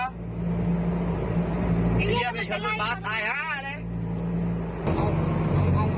ไอ้เหี้ยไม่ใช่ชนบัตรไอห้าไร